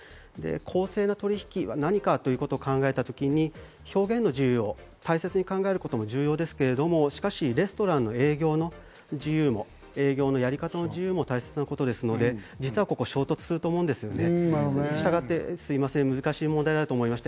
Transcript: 公正な取引は何かということを考えたときに、表現の自由を大切に考えることも重要ですけど、しかしレストランの営業の自由も、営業のやり方の自由も大切なことですので、実はここ衝突すると思うんですよね。